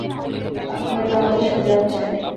আপনিও তো আমাদের সাথে যাচ্ছেন।